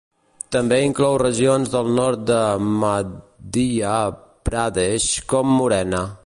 També inclou regions del nord de Madhya Pradesh com Morena.